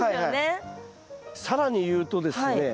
更に言うとですね